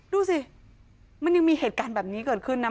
ดูสิมันยังมีเหตุการณ์แบบนี้เกิดขึ้นนะ